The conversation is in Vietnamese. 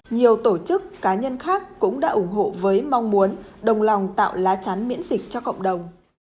nhiều tổ chức cá nhân khác cũng đã ủng hộ với mong muốn đồng lòng tạo lá chắn miễn dịch cho cộng đồng